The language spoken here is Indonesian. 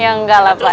ya enggak lah pak